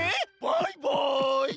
バイバイ！